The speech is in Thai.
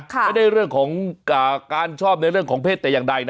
เรื่องของการชอบในเรื่องของเพศแต่อย่างใดนะ